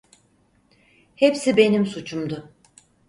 Hepsi benim suçumdu.